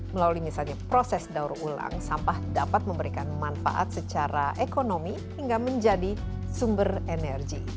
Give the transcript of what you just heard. melalui misalnya proses daur ulang sampah dapat memberikan manfaat secara ekonomi hingga menjadi sumber energi